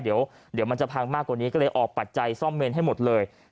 เดี๋ยวมันจะพังมากกว่านี้ก็เลยออกปัจจัยซ่อมเมนให้หมดเลย